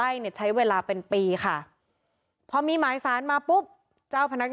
อาจะยังไม่เกิน๖เดือน